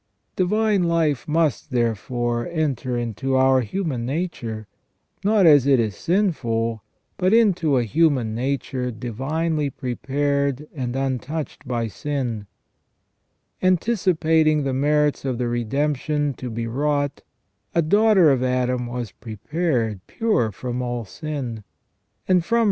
Divine life must, therefore, enter into our human nature, not as it is sinful, but into a human nature divinely prepared and untouched by sin. Anticipating the merits of the redemption to be wrought, a daughter of Adam was preserved pure from all sin, AND THE REDEMPTION OF CHRIST.